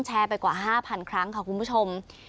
ไปกว่า๕๐๐๐ครั้งค่ะคุณผู้ชม